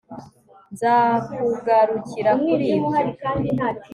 nzakugarukira kuri ibyo